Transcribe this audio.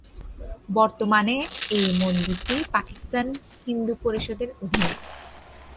বর্তমানে, এই মন্দিরটি পাকিস্তান হিন্দু পরিষদের অধীনে।